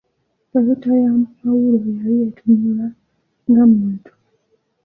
Toyota ya pawulo yali etunula nga muntu.